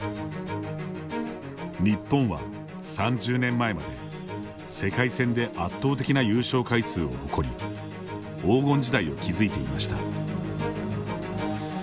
日本は３０年前まで世界戦で圧倒的な優勝回数を誇り黄金時代を築いていました。